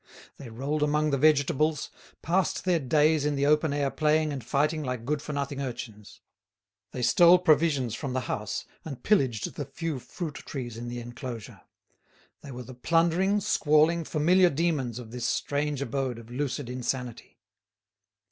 They rolled among the vegetables, passed their days in the open air playing and fighting like good for nothing urchins. They stole provisions from the house and pillaged the few fruit trees in the enclosure; they were the plundering, squalling, familiar demons of this strange abode of lucid insanity.